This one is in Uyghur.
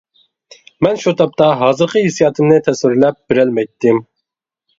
مەن شۇ تاپتا ھازىرقى ھېسسىياتىمنى تەسۋىرلەپ بېرەلمەيتتىم.